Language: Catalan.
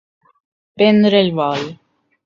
Prendre el vol.